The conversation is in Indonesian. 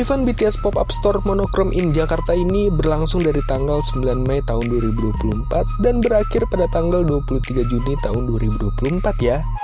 event bts pop up store monocrome in jakarta ini berlangsung dari tanggal sembilan mei tahun dua ribu dua puluh empat dan berakhir pada tanggal dua puluh tiga juni tahun dua ribu dua puluh empat ya